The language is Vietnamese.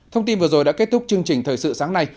thông tin vừa rồi đã kết thúc chương trình thời sự sáng nay